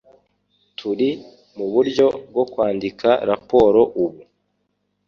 Turi muburyo bwo kwandika raporo ubu.